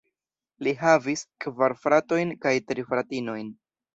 Li havis kvar fratojn kaj tri fratinojn.